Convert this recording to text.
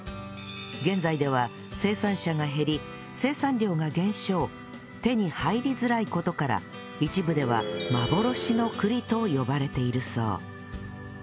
現在では生産者が減り手に入りづらい事から一部では「幻の栗」と呼ばれているそう